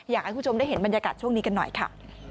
อยากให้คุณผู้ชมได้เห็นบรรยากาศช่วงนี้กันหน่อยค่ะ